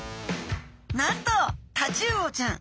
なんとタチウオちゃん